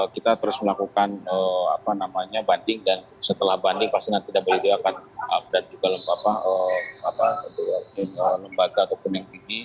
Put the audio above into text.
kita terus melakukan apa namanya banding dan setelah banding pasti nanti wto akan update juga lembaga ataupun yang kini